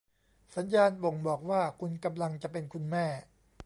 สัญญาณบ่งบอกว่าคุณกำลังจะเป็นคุณแม่